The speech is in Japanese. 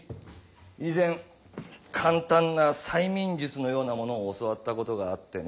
以前簡単な催眠術のようなものを教わったことがあってね。